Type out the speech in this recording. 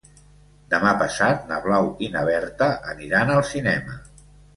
Demà passat na Blau i na Berta aniran al cinema.